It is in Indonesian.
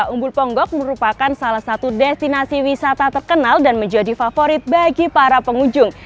umbul ponggok merupakan salah satu destinasi wisata terkenal dan menjadi favorit bagi para pengunjung